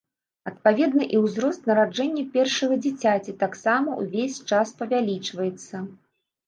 Адпаведна і ўзрост нараджэння першага дзіцяці таксама ўвесь час павялічваецца.